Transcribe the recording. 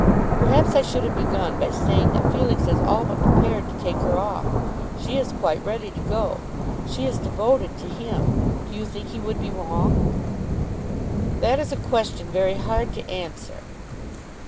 "Perhaps I should have begun by saying that Felix is all but prepared to take her off. She is quite ready to go. She is devoted to him. Do you think he would be wrong?" "That is a question very hard to answer."